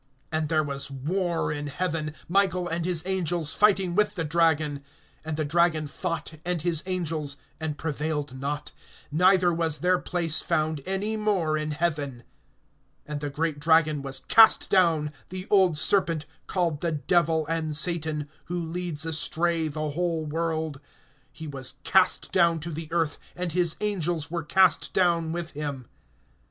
(7)And there was war in heaven, Michael and his angels fighting with the dragon. And the dragon fought, and his angels, (8)and prevailed not; neither was their place found any more in heaven. (9)And the great dragon was cast down, the old serpent, called the Devil and Satan, who leads astray the whole world; he was cast down to the earth, and his angels were cast down with him.